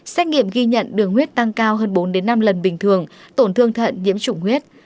xét nghiệm ghi nhận đường huyết tăng cao hơn bốn năm lần bình thường tổn thương thận nhiễm trùng huyết